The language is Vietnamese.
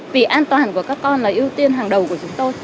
vì an toàn của các con là ưu tiên hàng đầu của chúng tôi